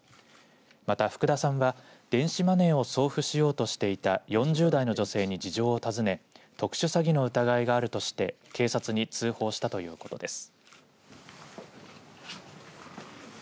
また福田さんは電子マネーを送付しようとしていた４０代の女性に事情を訪ね特殊詐欺の疑いがあるとして警察に通報したということです。